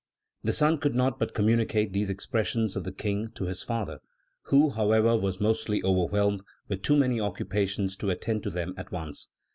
The son could not but communicate these expressions of the King to his father, who, however, was mostly overwhelmed with too many occupations to attend to them at once.